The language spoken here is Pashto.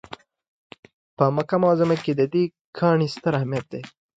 په مکه معظمه کې د دې کاڼي ستر اهمیت دی.